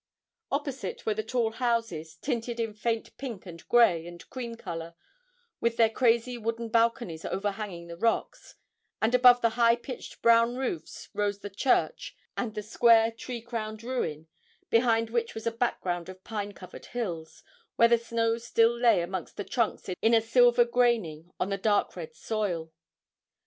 Opposite were the tall houses, tinted in faint pink and grey and cream colour, with their crazy wooden balconies overhanging the rocks, and above the high pitched brown roofs rose the church and the square tree crowned ruin, behind which was a background of pine covered hills, where the snow still lay amongst the trunks in a silver graining on the dark red soil.